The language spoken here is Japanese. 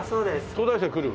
東大生来る？